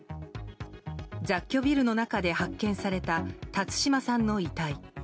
雑居ビルの中で発見された辰島さんの遺体。